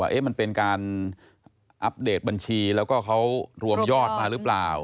มันเป็นการอัปเดตบัญชีแล้วก็เขารวมยอดมาหรือเปล่า